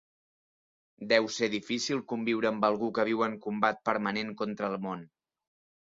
Deu ser difícil conviure amb algú que viu en combat permanent contra el món.